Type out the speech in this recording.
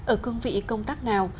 ở cương vị công tác nào